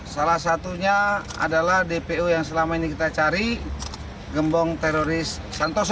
salah satunya adalah dpo yang selama ini kita cari gembong teroris santoso